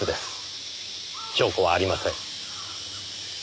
証拠はありません。